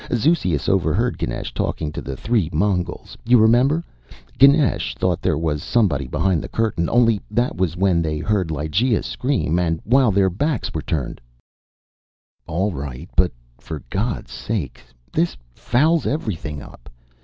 Zeuxias overheard Ganesh talking to the three Mongols you remember, Ganesh thought there was somebody behind the curtain, only that was when they heard Lygea scream, and while their backs were turned " "All right. But for God's sake, this fouls everything up.